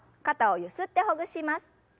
肩をゆすってほぐします。